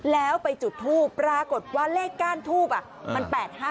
แล้วไปจุดทูปปรากฏว่าเลขก้านทูบมัน๘๕